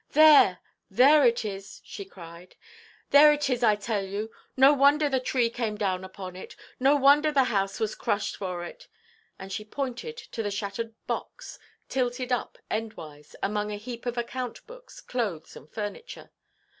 "There, there it is," she cried, "there it is, I tell you! No wonder the tree came down upon it. No wonder the house was crushed for it." And she pointed to a shattered box, tilted up endwise, among a heap of account–books, clothes, and furniture.